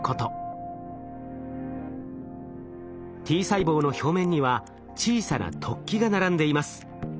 Ｔ細胞の表面には小さな突起が並んでいます。